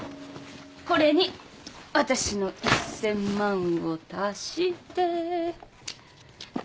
これに私の１，０００万を足して。